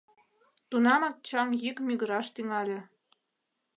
Тунамак чаҥ йӱк мӱгыраш тӱҥале.